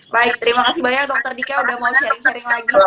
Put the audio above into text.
baik terima kasih banyak dokter dika udah mau sharing sharing lagi